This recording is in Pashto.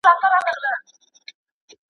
باغچې د ګلو سولې ویجاړي !.